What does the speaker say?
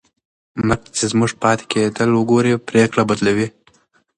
مرګ چې زموږ پاتې کېدل وګوري، پرېکړه بدلوي.